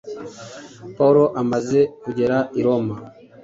Pawulo amaze kugera i Roma,